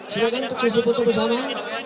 silahkan kecil kecil foto bersama